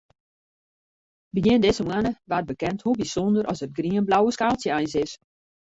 Begjin dizze moanne waard bekend hoe bysûnder as it grienblauwe skaaltsje eins is.